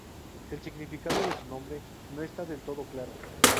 El significado de su nombre no está del todo claro.